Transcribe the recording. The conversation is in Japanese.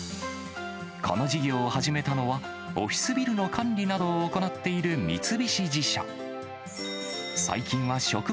この事業を始めたのは、オフィスビルの管理などを行っている三菱地所。